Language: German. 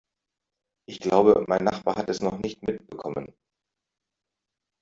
Ich glaube, mein Nachbar hat es noch nicht mitbekommen.